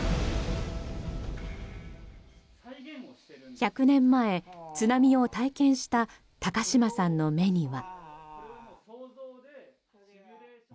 １００年前、津波を体験した高嶋さんの目には。